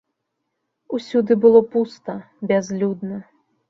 Усюды было пуста, бязлюдна.